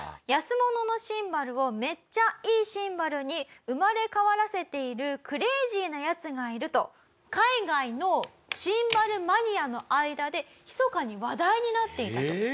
安物のシンバルをめっちゃいいシンバルに生まれ変わらせているクレイジーなヤツがいると海外のシンバルマニアの間でひそかに話題になっていたと。